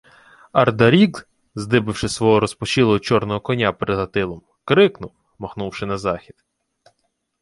Ардарік, здибивши свого розпашілого чорного коня перед Гатилом, крикнув, махнувши на захід: